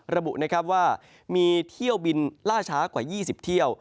ระบุนะครับว่ามีเที่ยวบินล่าช้ากว่า๒๐เที่ยว